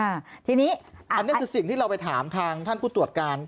อันนี้อันนี้คือสิ่งที่เราไปถามทางท่านผู้ตรวจการ